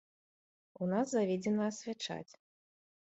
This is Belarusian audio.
У нас заведзена асвячаць.